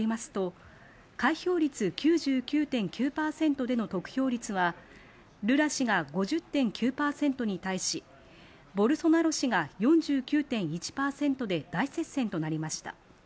地元の選挙管理当局によりますと、開票率９９．９％での得票率はルラ氏が５０．９％に対し、ボルソナロ氏が４９．１％で大接戦となりました。